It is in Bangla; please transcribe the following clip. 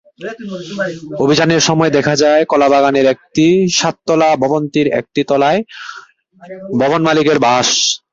অভিযানের সময় দেখা যায়, কলাবাগানের একটি সাততলা ভবনটির একটি তলায় ভবনমালিকের বাস।